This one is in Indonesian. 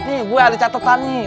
nih gue ada catetannya